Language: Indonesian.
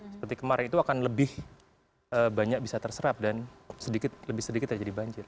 seperti kemarin itu akan lebih banyak bisa terserap dan lebih sedikit saja jadi banjir